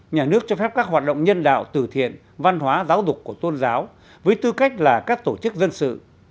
nhà nước cho phép các hoạt động nhân đạo từ thiện văn hóa giáo dục của tôn giáo với tư cách là các tổ chức dân sự